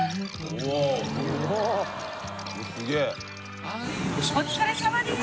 お疲れさまです。